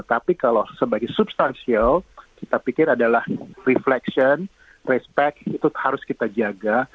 tapi kalau sebagai substansial kita pikir adalah refleksi respect itu harus kita jaga